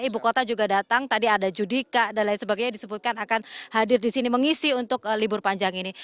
ibu kota juga datang tadi ada judika dan lain sebagainya disebutkan akan hadir di sini mengisi untuk libur panjang ini